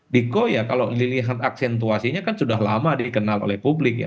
diko ya kalau dilihat aksentuasinya kan sudah lama dikenal oleh publik ya